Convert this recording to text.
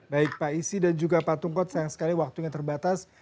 baik pak isi dan juga pak tungkot sayang sekali waktunya terbatas